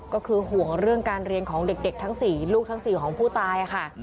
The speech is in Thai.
ก็คือห่วงเรื่องการเรียนของเด็กทั้ง๔ลูกทั้ง๔ของผู้ตายค่ะ